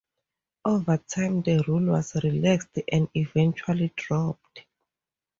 Over time the rule was relaxed and eventually dropped.